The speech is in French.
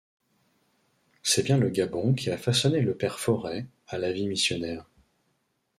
C'est bien le Gabon qui a façonné le Père Fauret à la vie missionnaire.